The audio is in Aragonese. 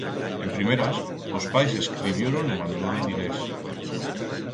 En primeras, os pais escribioron e mandoron diners.